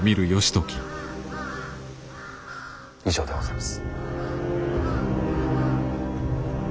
以上でございます。